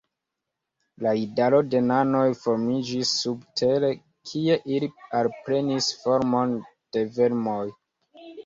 La idaro de nanoj formiĝis subtere, kie ili alprenis formon de vermoj.